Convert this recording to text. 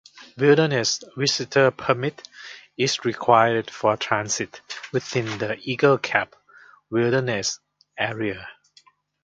Wilderness visitor permit is required for transit within the Eagle Cap Wilderness area.